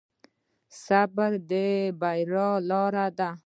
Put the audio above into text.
صبر د بریا لاره ده.